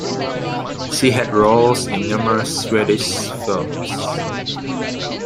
She had roles in numerous Swedish films.